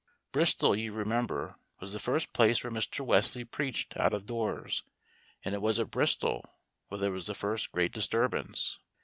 Bristol, you remember, was the first place where Mr. Wesley preached out of doors, and it was at Bristol where there was the first great disturbance.